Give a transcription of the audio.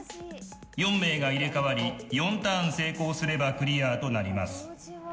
４名が入れ替わり４ターン成功すればクリアとなります。